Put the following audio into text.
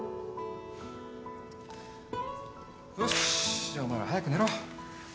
よしじゃあお前ら早く寝ろ。